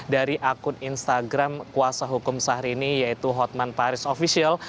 dari akun instagram kuasa hukum syahrini yaitu hotman paris official